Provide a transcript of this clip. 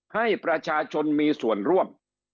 ให้ประชาชนมีส่วนร่วม